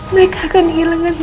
mereka akan hilangkan kamu